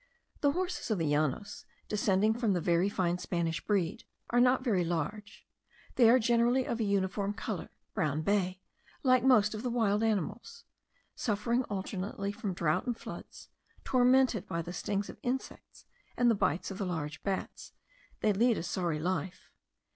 The horses of the Llanos, descending from the fine Spanish breed, are not very large; they are generally of a uniform colour, brown bay, like most of the wild animals. Suffering alternately from drought and floods, tormented by the stings of insects and the bites of the large bats, they lead a sorry life.